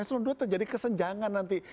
eselon ii terjadi kesenjangan nanti